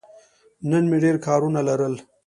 نن مې ډېر کارونه لرل.